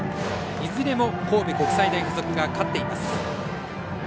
いずれも神戸国際大付属が勝っています。